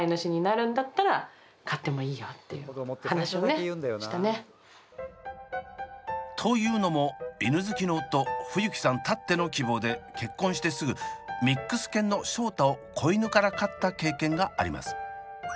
この子たちがというのも犬好きの夫二誘輝さんたっての希望で結婚してすぐミックス犬のショータを子犬から飼った経験があります。